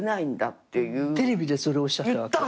テレビでそれおっしゃったわけ？